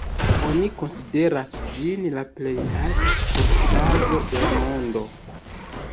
Oni konsideras ĝin la plej alta skulptaĵo de la mondo.